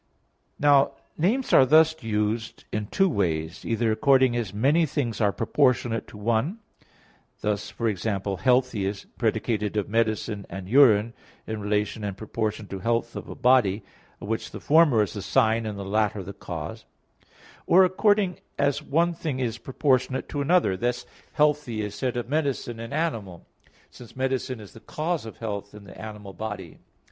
Now names are thus used in two ways: either according as many things are proportionate to one, thus for example "healthy" predicated of medicine and urine in relation and in proportion to health of a body, of which the former is the sign and the latter the cause: or according as one thing is proportionate to another, thus "healthy" is said of medicine and animal, since medicine is the cause of health in the animal body.